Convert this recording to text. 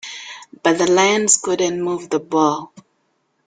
But the Lions couldn't move the ball.